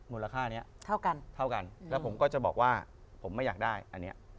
มูลค่านี้เท่ากันเท่ากันแล้วผมก็จะบอกว่าผมไม่อยากได้อันนี้